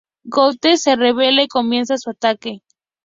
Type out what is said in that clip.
Gothel se revela y comienza su ataque.